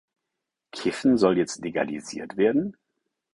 Kiffen soll jetzt legalisiert werden?